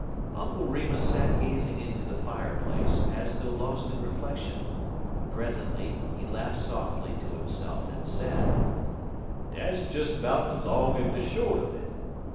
Uncle Remus sat gazing into the fireplace, as though lost in reflection. Presently, he laughed softly to himself, and said: "Dat's des 'bout de long en de short un it.